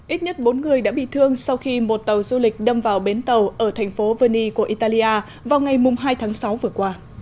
ít nhất bốn người đã bị thương sau khi một tàu du lịch đâm vào bến tàu ở thành phố veni của italia vào ngày hai tháng sáu vừa qua